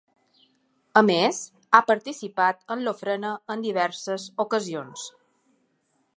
A més, ha participat en l’ofrena en diverses ocasions.